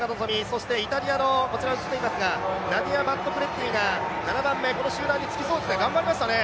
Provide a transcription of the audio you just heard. そしてイタリアのナディア・バットクレッティが７番目、この集団につきそうですね、頑張りましたね。